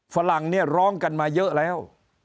ฝรั่งเนี่ยร้องกันมาเยอะแล้ว